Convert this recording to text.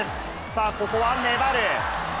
さあ、ここは粘る。